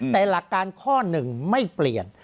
แต่หลักการข้อหนึ่งไม่เปลี่ยน